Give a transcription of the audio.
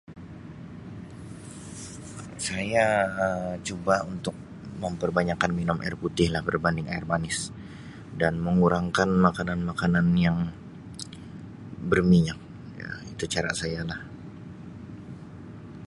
Saya Um cuba untuk memperbanyakkan minum air putih lah berbanding air manis dan mengurangkan makanan-makanan yang berminyak, ya itu cara saya lah.